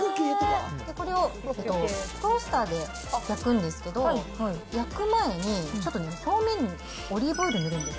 これをトースターで焼くんですけど、焼く前に、ちょっと表面にオリーブオイルを塗るんです。